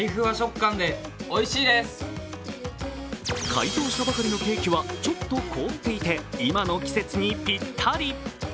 解凍したばかりのケーキはちょっと凍っていて今の季節にぴったり。